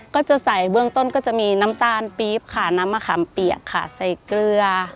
ก็จะใส่เบื้องต้นก็จะมีน้ำตาลปี๊บค่ะน้ำมะขามเปียกค่ะใส่เกลือ